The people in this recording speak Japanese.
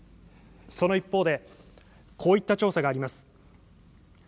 一方で、こうした調査があります。